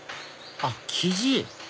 あっキジ！